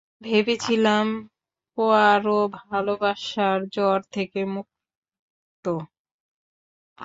ভেবেছিলাম, পোয়ারো ভালোবাসার জ্বর থেকে মুক্ত!